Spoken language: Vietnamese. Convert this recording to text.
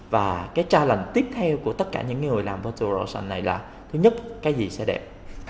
và cái challenge tiếp theo của tất cả những người làm virtual ocean này là thứ nhất cái gì sẽ đẹp